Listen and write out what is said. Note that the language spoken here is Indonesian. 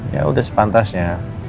ya udah sepantasnya